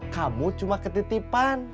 kamu cuma ketitipan